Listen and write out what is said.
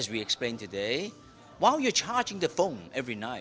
satu adalah sangat mudah seperti yang kita jelaskan hari ini